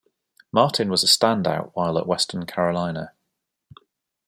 Martin was a standout while at Western Carolina.